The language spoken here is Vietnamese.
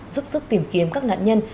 giúp sức tìm kiếm các nạn nhân